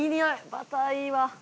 バターいいわ！